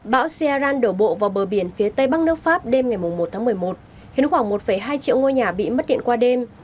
bão siaran đổ bộ vào bờ biển phía tây bắc nước pháp đêm ngày một tháng một mươi một khiến khoảng một hai triệu ngôi nhà bị mất điện qua đêm